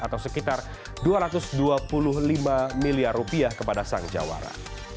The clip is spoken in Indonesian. atau sekitar dua ratus dua puluh lima miliar rupiah kepada sang jawara